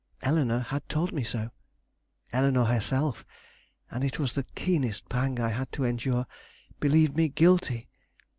Eleanore had told me so. Eleanore herself and it was the keenest pang I had to endure believed me guilty.